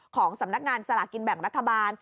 สำนักงานสลากินแบ่งรัฐบาล